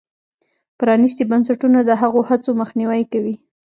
پرانیستي بنسټونه د هغو هڅو مخنیوی کوي.